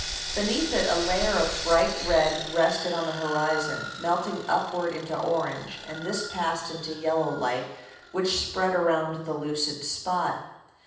Beneath it a layer of bright red rested on the horizon, melting upward into orange, and this passed into yellow light, which spread around the lucid spot.